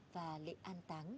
và lễ an táng